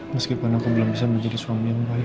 meskipun aku belum bisa menjadi suami yang baik